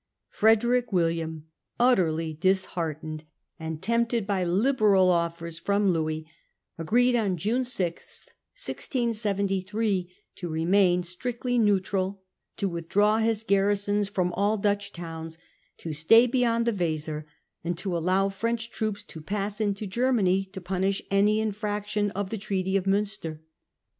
Frederick William, utterly dis heartened, and tempted by liberal offers from Louis, The Grand agreed, on June 6, 1673, to remain strictly makespeace neutra ^ t0 withdraw his garrisons from all June 6, 1673! Dutch towns, to stay beyond the Weser, and to allow French troops to pass into Germany to punish any infraction of the Treaty of Munster.